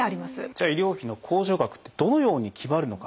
じゃあ医療費の控除額ってどのように決まるのか。